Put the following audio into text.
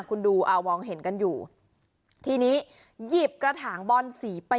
คุณดูเอามองเห็นกันอยู่ทีนี้หยิบกระถางบอนสีไป